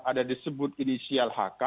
ada disebut inisial hk